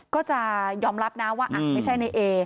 ก็จะยอมรับนะว่าไม่ใช่ในเอ